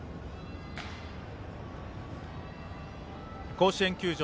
甲子園球場